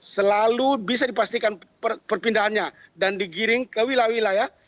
selalu bisa dipastikan perpindahannya dan digiring ke wilayah wilayah